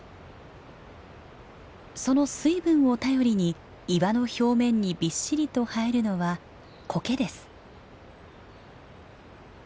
その水分を頼りに岩の表面にビッシリと生えるのはコケです。